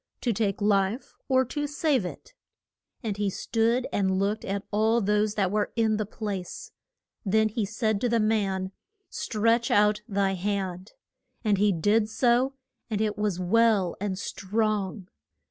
to take life or to save it? And he stood and looked at all those that were in the place. Then he said to the man, Stretch out thy hand. And he did so, and it was well and strong.